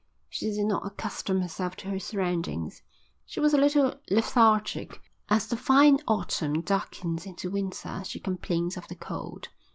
She did not accustom herself to her surroundings. She was a little lethargic. As the fine autumn darkened into winter she complained of the cold.